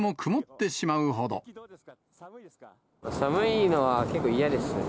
寒いのは結構嫌ですね。